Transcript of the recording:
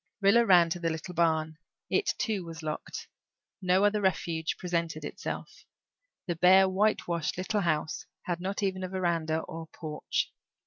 Rilla ran to the little barn. It, too, was locked. No other refuge presented itself. The bare whitewashed little house had not even a veranda or porch.